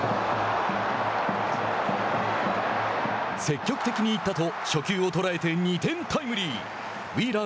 「積極的にいった」と初球を捉えて２点タイムリー。